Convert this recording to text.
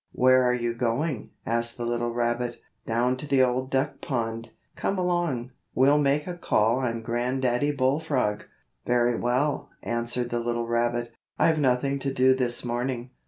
"Where are you going?" asked the little rabbit. "Down to the Old Duck Pond. Come along. We'll make a call on Granddaddy Bullfrog." "Very well," answered the little rabbit, "I've nothing to do this morning.